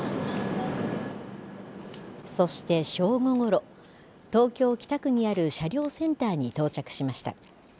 そして正午ごろ東京・北区にある車両センターに到着しました。